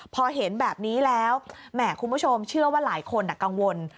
พอเห็นแบบนี้แล้วแหมคุณผู้ชมเชื่อว่าหลายคนกังวล